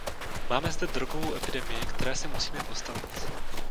Máme zde drogovou epidemii, které se musíme postavit.